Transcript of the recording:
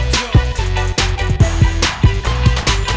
สวัสดีค่ะ